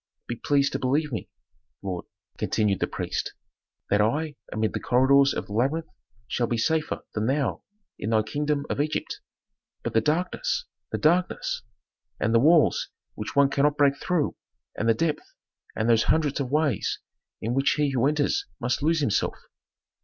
Be pleased to believe me, lord," continued the priest, "that I amid the corridors of the labyrinth shall be safer than thou in thy kingdom of Egypt." "But the darkness the darkness! And the walls which one cannot break through, and the depth, and those hundreds of ways in which he who enters must lose himself.